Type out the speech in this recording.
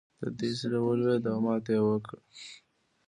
د دوی زړه ولوېد او ماته یې وکړه.